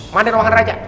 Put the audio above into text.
mana ruangan raja